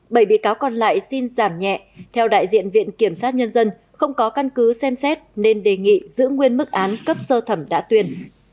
bảy bị cáo còn lại xin giảm nhẹ theo đại diện viện kiểm sát nhân dân không có căn cứ xem xét nên đề nghị giữ nguyên mức án cấp sơ thẩm đã tuyên